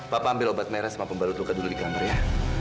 papa ambil obat merah sama pembalut luka dulu di kamar ya